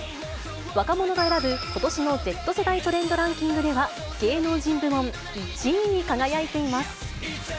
若者が選ぶ、ことしのＺ世代トレンドランキングでは、芸能人部門１位に輝いています。